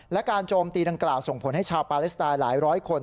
และการโจมตีดังกล่าวส่งผลให้ชาวปาเลสไตน์หลายร้อยคน